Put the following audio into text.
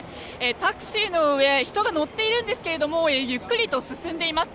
タクシーの上人が乗っているんですけれどもゆっくりと進んでいます。